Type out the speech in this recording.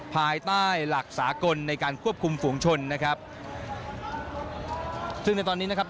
ภายใต้หลักสากลในการควบคุมฝูงชนนะครับซึ่งในตอนนี้นะครับ